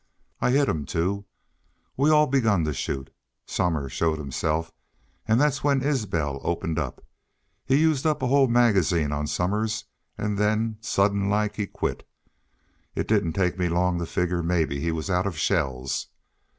I hit him, too. We all begun to shoot. Somers showed himself, an' that's when Isbel opened up. He used up a whole magazine on Somers an' then, suddenlike, he quit. It didn't take me long to figger mebbe he was out of shells.